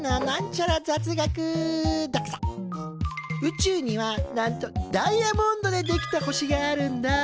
宇宙にはなんとダイヤモンドで出来た星があるんだ。